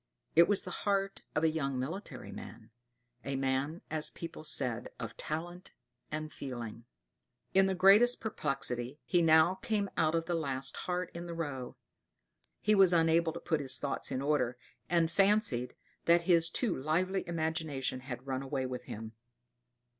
It was the heart of a young military man; a man, as people said, of talent and feeling. In the greatest perplexity, he now came out of the last heart in the row; he was unable to put his thoughts in order, and fancied that his too lively imagination had run away with him.